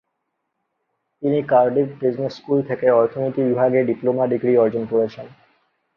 তিনি Cardiff business school থেকে অর্থনীতি বিভাগে ডিপ্লোমা ডিগ্রি অর্জন করেছেন।